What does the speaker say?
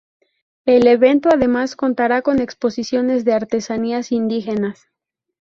El evento además contará con exposiciones de artesanías indígenas.